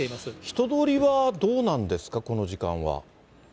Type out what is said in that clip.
人通りはどうなんですか、この時間は。